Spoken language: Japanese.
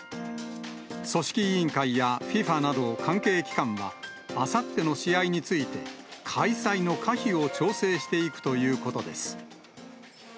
組織委員会やＦＩＦＡなど関係機関は、あさっての試合について、開催の可否を調整していくということです。